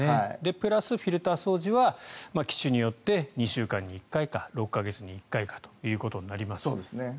プラスフィルター掃除は機種によって、２週間に１回か６か月に１回かということになります。